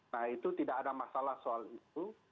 nah itu tidak ada masalah soal itu